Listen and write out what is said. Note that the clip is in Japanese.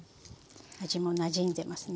味もなじんでますね。